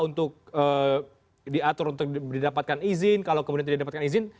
untuk diatur untuk didapatkan izin kalau kemudian tidak dapatkan izin